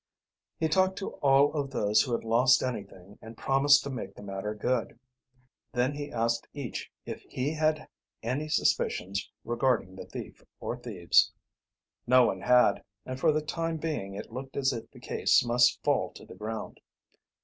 He talked to all of those who had lost anything and promised to make the matter good. Then he asked each if he had any suspicions regarding the thief or thieves. No one had, and for the time being it looked as if the case must fall to the ground.